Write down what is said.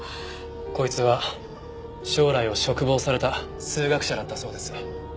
こいつは将来を嘱望された数学者だったそうです。